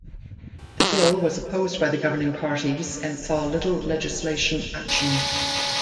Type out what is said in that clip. The bill was opposed by the governing parties and saw little legislation action.